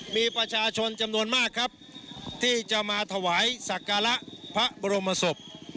มีประชาชนจำนวนมากครับที่จะมาถวายสักการะพระบรมศพ